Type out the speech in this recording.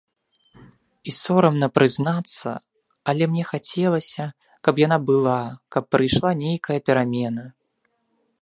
І сорамна прызнацца, але мне хацелася, каб яна была, каб прыйшла нейкая перамена.